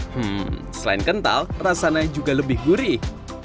hmm selain kental rasanya juga lebih gurih